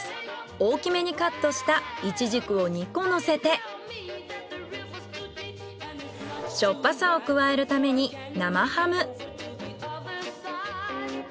大きめにカットしたイチジクを２個のせてしょっぱさを加えるために生ハム。